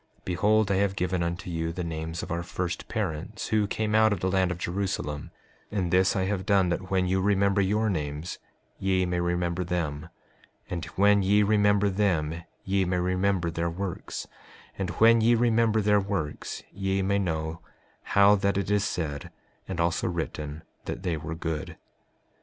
Behold, I have given unto you the names of our first parents who came out of the land of Jerusalem; and this I have done that when you remember your names ye may remember them; and when ye remember them ye may remember their works; and when ye remember their works ye may know how that it is said, and also written, that they were good.